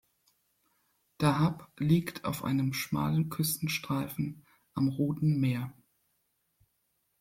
Dahab liegt auf einem schmalen Küstenstreifen am Roten Meer.